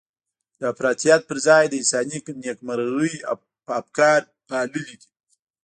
د افراطيت پر ځای د انساني نېکمرغۍ افکار پاللي دي.